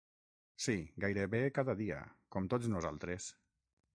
Sí, gairebé cada dia, com tots nosaltres.